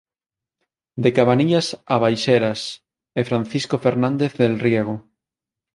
De Cabanillas a Baixeras" e "Francisco Fernández del Riego.